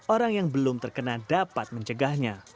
orang yang belum terkena dapat mencegahnya